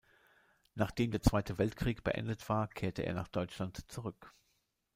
Nachdem der Zweite Weltkrieg beendet war, kehrte er nach Deutschland zurück.